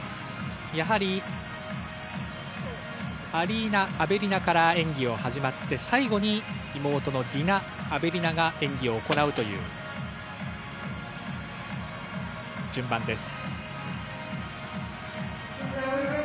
アリーナ・アベリナから演技が始まって最後に妹のディナ・アベリナが演技を行うという順番です。